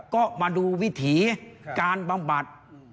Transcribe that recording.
ก็มาดูวิถีการบำบัด